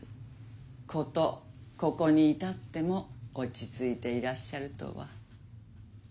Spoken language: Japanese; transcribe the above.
ことここに至っても落ち着いていらっしゃるとは。